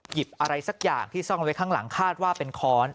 อะไรสักอย่างที่ซ่อนไว้ข้างหลังคาดว่าเป็นค้อน